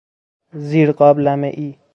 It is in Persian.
زیر قابلمه ای